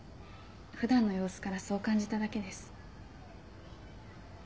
普段の様子からそう感じただけです。